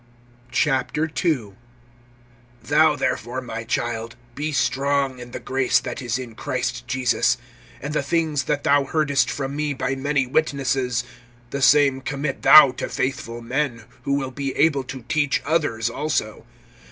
II. THOU therefore, my child, be strong in the grace that is in Christ Jesus. (2)And the things that thou heardest from me by many witnesses[2:2], the same commit thou to faithful men, who will be able to teach others also.